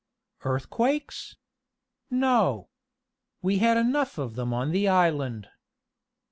"Earthquakes? No. We had enough of them on the island."